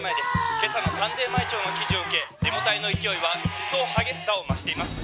今朝のサンデー毎朝の記事を受けデモ隊の勢いは一層激しさを増しています